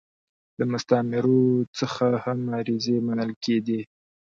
له مستعمرو څخه هم عریضې منل کېدې.